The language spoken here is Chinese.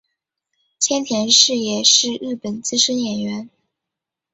千田是也是日本资深演员。